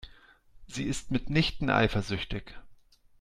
Sie ist mitnichten eifersüchtig.